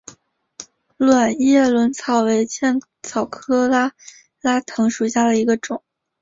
卵叶轮草为茜草科拉拉藤属下的一个种。